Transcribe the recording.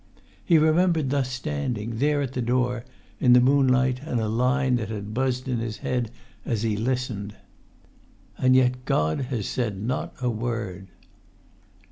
He remembered thus standing, there at the door, in the moonlight, and a line that had buzzed in his head as he listened. "And yet God has not said a word!"